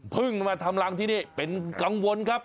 มาทำรังที่นี่เป็นกังวลครับ